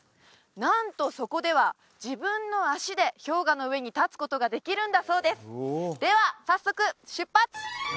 なんとそこでは自分の足で氷河の上に立つことができるんだそうですでは早速出発！